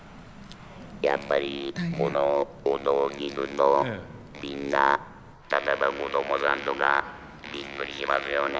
「やっぱりこの音を聞くとみんな例えば子供さんとかびっくりしますよね。